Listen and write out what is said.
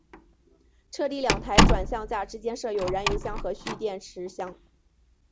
车底两台转向架之间设有燃油箱和蓄电池箱。